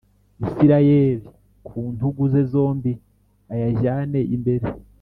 Isirayeli ku ntugu ze zombi ayajyane imbere